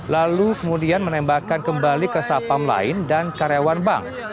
lalu kemudian menembakkan kembali ke sapam lain dan karyawan bank